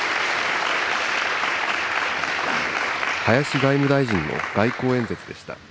林外務大臣の外交演説でした。